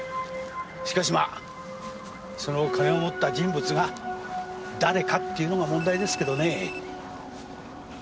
しかしまあその金を持った人物が誰かっていうのが問題ですけどね。